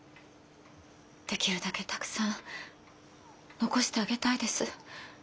できるだけたくさん残してあげたいです。